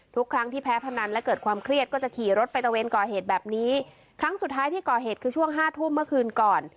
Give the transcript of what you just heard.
ทุกครั้งที่แพ้พนันและเกิดความเครียดก็จะขี่รถไปตะเวนก่อเหตุแบบนี้ครั้งสุดท้ายที่ก่อเหตุคือช่วงห้าทุ่มเมื่อคืนก่อน